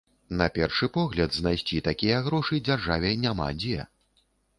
На першы погляд, знайсці такія грошы дзяржаве няма дзе.